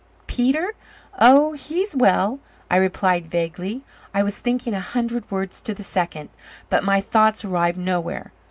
"Peter? Oh, he's well," I replied vaguely. I was thinking a hundred words to the second, but my thoughts arrived nowhere.